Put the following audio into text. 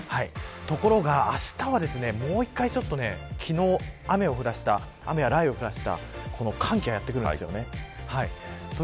ところが、あしたはもう１回昨日、雨や雷雨を降らせた寒気がやってくるんですよね。